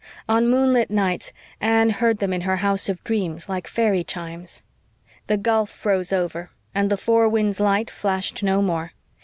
On moonlit nights Anne heard them in her house of dreams like fairy chimes. The gulf froze over, and the Four Winds light flashed no more.